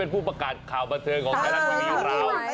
เป็นผู้ประกาศขาวบัตเทินของแรกสแปรโร